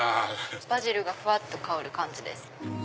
バジルがふわっと香る感じです。